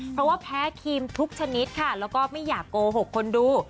เพราะว่าแพ้ครีมทุกชนิดค่ะแล้วก็ไม่อยากโกหกคนดู